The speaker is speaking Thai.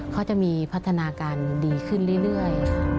เขาจะมีพัฒนาการดีขึ้นเรื่อย